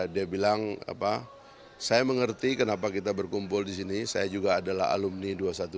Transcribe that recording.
dia bilang saya mengerti kenapa kita berkumpul di sini saya juga adalah alumni dua ratus dua belas